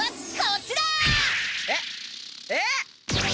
えっえっ？